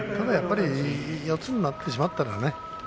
四つになってしまったんだね。